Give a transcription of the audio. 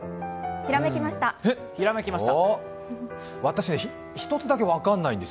ひらめきました。